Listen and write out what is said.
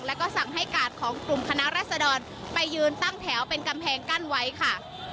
แล้วก็สั่งให้กาดของกลุ่มคณะรัศดรไปยืนตั้งแถวเป็นกำแพงกั้นไว้ค่ะ